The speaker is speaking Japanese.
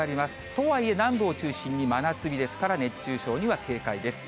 とはいえ、南部を中心に真夏日ですから、熱中症には警戒です。